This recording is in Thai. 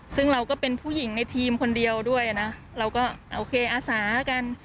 ซึ่งเราก็เป็นผู้หญิงในทีมคนเดียวด้วยนะเราก็โอเคอาสากัน